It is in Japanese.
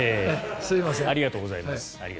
ありがとうございます。